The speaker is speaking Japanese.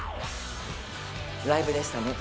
ライブでしたねと。